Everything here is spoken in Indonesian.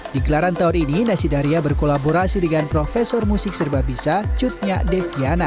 di gelaran tahun ini nasidariya berkolaborasi dengan profesor musik serbabisa cutnya deviana